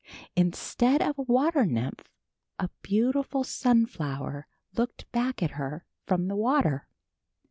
Instead of a water nymph a beautiful sunflower looked back at her from the water.